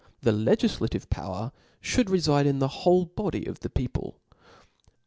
the legtflativc power (hould refide m the whoFc body of the people.